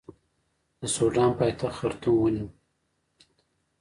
د سوډان پایتخت خرطوم ونیو.